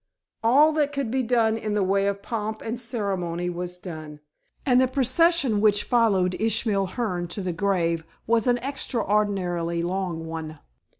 All that could be done in the way of pomp and ceremony was done, and the procession which followed Ishmael Hearne to the grave was an extraordinarily long one.